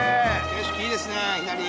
景色いいですね。